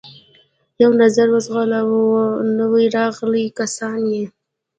یو نظر و ځغلاوه، نوي راغلي کسان یې.